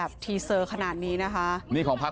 โปสเตอร์โหมโตรงของทางพักเพื่อไทยก่อนนะครับ